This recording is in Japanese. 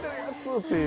っていう。